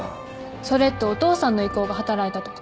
それってお父さんの意向が働いたとか。